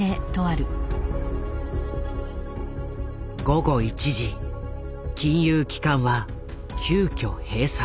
午後１時金融機関は急遽閉鎖。